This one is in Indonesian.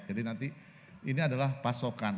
jadi nanti ini adalah pasokan